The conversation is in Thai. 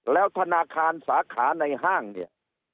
แล้วธนาคารสาขาในห้างเนี่ย